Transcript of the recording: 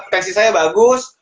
tensi saya bagus